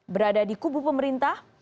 berada di kubu pemerintah